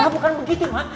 bukan itu ma